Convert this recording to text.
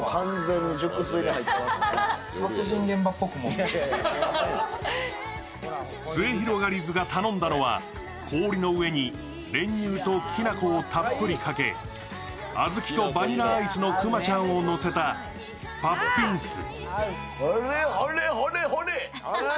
すゑひろがりずが頼んだのは、氷の上に練乳ときな粉をたっぷりかけあずきとバニラアイスのくまちゃんをのせたパッビンス。